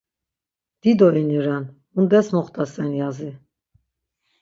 Dido ini ren, mundes moxtasen yazi?